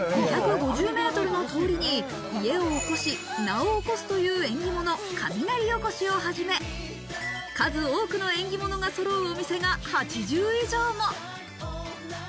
２５０メートルの通りに家をおこし、名をおこすという縁起物、雷おこしをはじめ、数多くの縁起物がそろうお店が８０以上も。